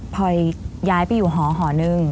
พอยย้ายไปอยู่หอหนึ่ง